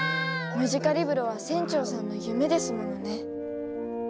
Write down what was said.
ムジカリブロは船長さんの夢ですものね。